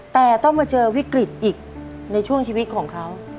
แต่ต้องมาเจอวิกฤตอีกในช่วงชีวิตของเขา